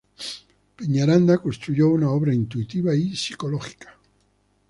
Peñaranda construyó una obra intuitiva y psicológica.